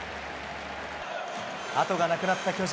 あとがなくなった巨人。